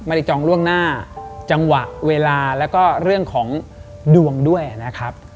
จองล่วงหน้าจังหวะเวลาแล้วก็เรื่องของดวงด้วยนะครับ